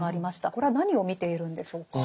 これは何を見ているんでしょうか？